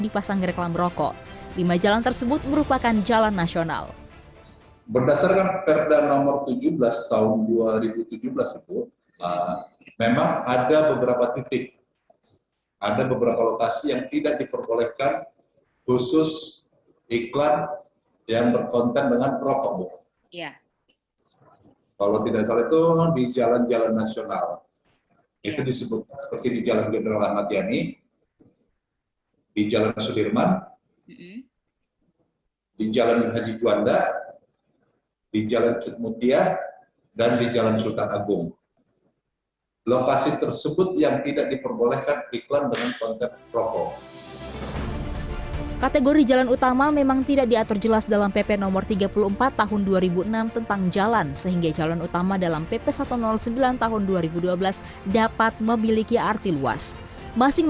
perda tujuh belas tahun dua ribu tujuh belas